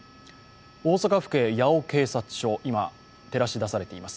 大阪府警八尾警察署、今、照らし出されています。